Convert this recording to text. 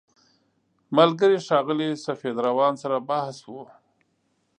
ملګري ښاغلي سفید روان سره بحث و.